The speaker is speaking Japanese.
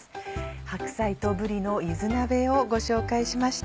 「白菜とぶりの柚子鍋」をご紹介しました。